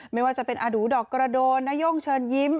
ไม่ว่าจะเป็นอาดูดอกกระโดนนาย่งเชิญยิ้ม